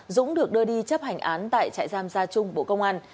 dũng được đưa đi chấp hành án tại trại giam gia trung bộ công an